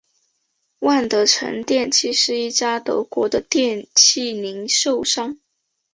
万得城电器是一家德国的电器零售商。